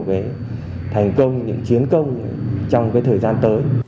đã được nhiều cái thành công những chiến công trong cái thời gian tới